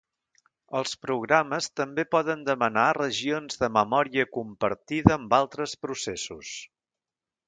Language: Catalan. Els programes també poden demanar regions de memòria compartida amb altres processos.